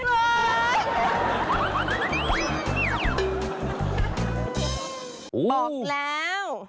ออกแล้ว